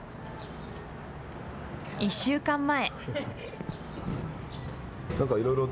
１週間前。